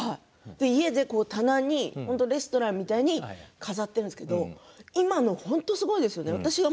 棚にレストランみたいに飾っているんですけど今のすごいですよね。